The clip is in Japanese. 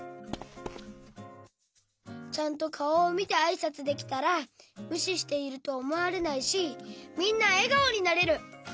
ちゃんとかおをみてあいさつできたらむししているとおもわれないしみんなえがおになれる。